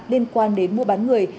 liên quan đến mua bán người